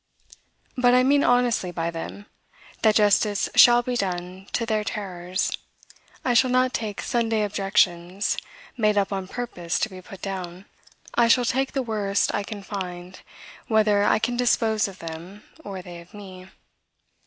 But I mean honestly by them that justice shall be done to their terrors. I shall not take Sunday objections, made up on purpose to be put down. I shall take the worst I can find, whether I can dispose of them, or they of me.